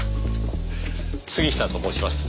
杉下と申します。